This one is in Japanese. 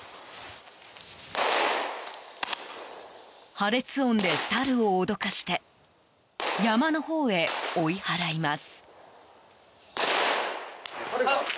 破裂音でサルを脅かして山のほうへ追い払います。